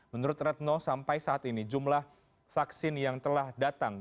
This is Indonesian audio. menurut retno sampai saat ini jumlah vaksin yang telah datang